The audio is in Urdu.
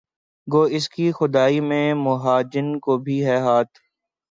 گو اس کی خدائی میں مہاجن کا بھی ہے ہاتھ